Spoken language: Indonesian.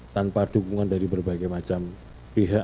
tanpa dukungan dari berbagai macam pihak